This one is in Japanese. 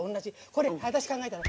これ、私考えたの。